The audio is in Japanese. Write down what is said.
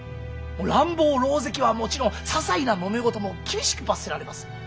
乱暴狼藉はもちろんささいなもめ事も厳しく罰せられます。